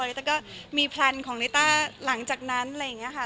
ต้าก็มีแพลนของลิต้าหลังจากนั้นอะไรอย่างนี้ค่ะ